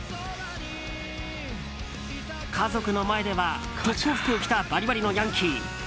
家族の前では特攻服を着たバリバリのヤンキー。